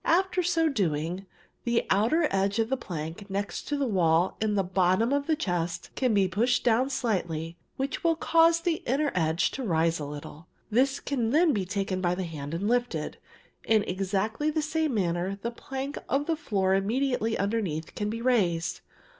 After so doing, the outer edge of the plank next the wall in the bottom of the chest can be pushed down slightly, which will cause the inner edge to rise a little. This can then be taken by the hand and lifted. In exactly the same manner the plank of the floor immediately underneath can be raised.